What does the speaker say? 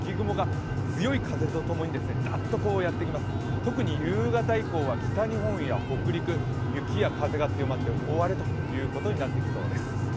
特に夕方は北日本や北陸、雪や風が強まって大荒れということになってきそうです。